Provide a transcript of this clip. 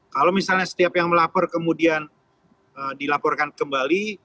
kalau misalnya setiap yang melapor kemudian dilaporkan kembali